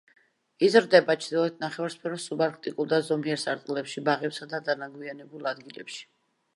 იზრდება ჩრდილოეთ ნახევარსფეროს სუბარქტიკულ და ზომიერ სარტყლებში, ბაღებსა და დანაგვიანებულ ადგილებში.